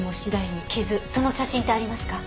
傷その写真ってありますか？